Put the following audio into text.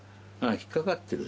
引っ掛かってる。